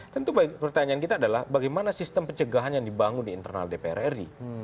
tentu pertanyaan kita adalah bagaimana sistem pencegahan yang dibangun di internal dpr ri